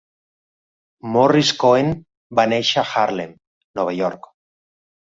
Morris Cohen va néixer a Harlem, Nova York.